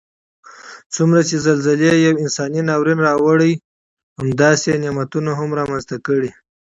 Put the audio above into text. څومره چې زلزله یو انساني ناورین راوړي همداسې نعمتونه هم رامنځته کړي